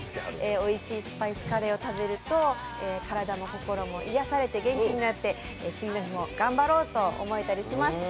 おいしいスパイスカレーを食べると体も心も癒やされて元気になって、次の日も頑張ろうと思えたりします。